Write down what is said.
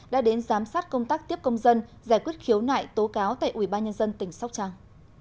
đã đến giám sát công tác tiếp công dân giải quyết khiếu nại tố cáo tại ủy ban nhân dân tỉnh sóc trang